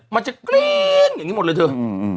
มันจะกรี๊งอย่างนี้หมดเลยเถอะ